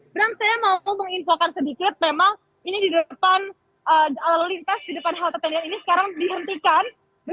bram saya mau menginfokan sedikit memang ini di depan lalu lintas di depan halte tendian ini sekarang dihentikan